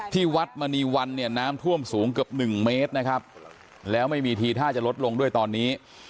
ที่วัดมณีวันเนี่ยน้ำท่วมสูงเกือบหนึ่งเมตรนะครับแล้วไม่มีทีท่าจะลดลงด้วยตอนนี้